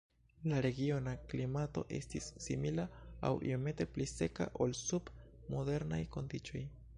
La regiona klimato estis simila aŭ iomete pli seka ol sub modernaj kondiĉoj.